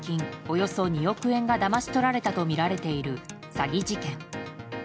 およそ２億円がだまし取られたとみられている詐欺事件。